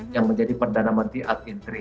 yang menjadi perdana menteri atin tri